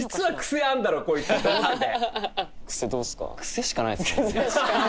癖しかないよね。